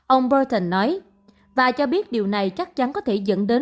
ông burton nói